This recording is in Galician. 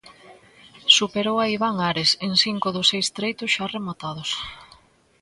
Superou a Iván Ares en cinco dos seis treitos xa rematados.